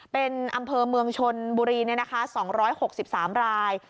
เป็นอำเภอเมืองชนบุรี๒๖๓ราย